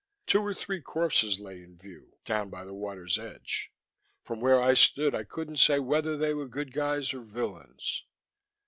Two or three corpses lay in view, down by the water's edge. From where I stood I couldn't say whether they were good guys or villains.